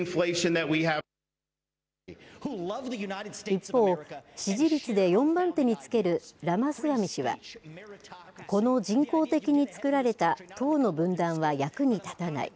一方、支持率で４番手につけるラマスワミ氏はこの人工的に作られた党の分断は役に立たない。